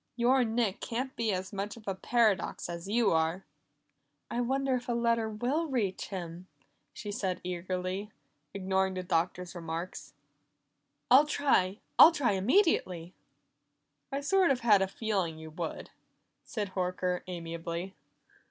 Your Nick can't be as much of a paradox as you are!" "I wonder if a letter will reach him," she said eagerly, ignoring the Doctor's remarks. "I'll try. I'll try immediately." "I sort of had a feeling you would," said Horker amiably.